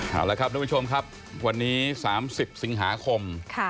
เอาละครับทุกผู้ชมครับวันนี้สามสิบสิงหาคมค่ะ